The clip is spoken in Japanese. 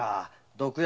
「毒薬」？